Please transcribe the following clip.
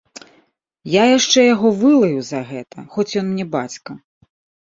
Я яшчэ яго вылаю за гэта, хоць ён мне бацька.